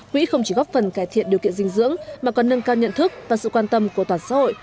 quỹ không chỉ góp phần cải thiện điều kiện dinh dưỡng mà còn nâng cao nhận thức và sự quan tâm của toàn xã hội